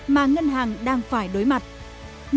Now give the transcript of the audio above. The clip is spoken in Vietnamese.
mà ngân hàng đang phải đối tượng